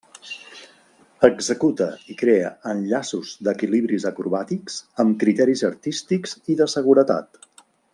Executa i crea enllaços d'equilibris acrobàtics amb criteris artístics i de seguretat.